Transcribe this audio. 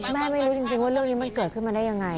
ไม่รู้จริงว่าเรื่องนี้มันเกิดขึ้นมาได้ยังไง